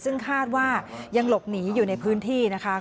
ซึ่งคาดว่ายังหลบหนีอยู่ในพื้นที่นะคะ